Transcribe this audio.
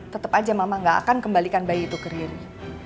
tetap aja mama gak akan kembalikan bayi itu ke diri